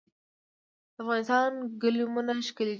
د افغانستان ګلیمونه ښکلي دي